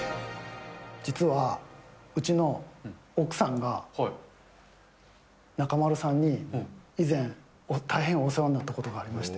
実は、うちの奥さんが、中丸さんに以前、大変お世話になったことがありまして。